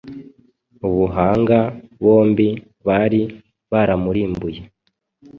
Ubuhanga bombi bari baramurimbuye